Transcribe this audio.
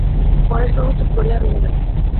পরেশবাবু চুপ করিয়া রহিলেন।